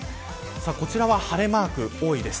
こちらは晴れマークが多いです。